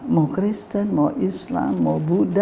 mau kristen mau islam mau buddha